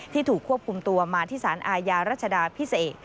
ถูกควบคุมตัวมาที่สารอาญารัชดาพิเศษ